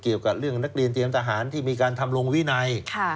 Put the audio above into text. เกี่ยวกับเรื่องนักเรียนเตรียมทหารที่มีการทำลงวินัย